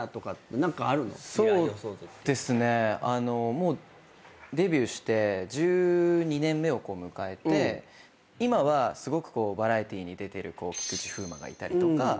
もうデビューして１２年目を迎えて今はすごくバラエティーに出てる菊池風磨がいたりとか。